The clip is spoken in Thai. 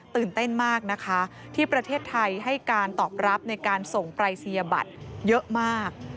ตื่นเต้นมากนะคะที่ประเทศไทยให้การตอบรับในการส่งปรายศนียบัตรเยอะมาก